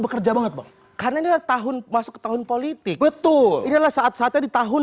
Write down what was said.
bekerja banget bang karena ini tahun masuk tahun politik betul inilah saat saatnya di tahun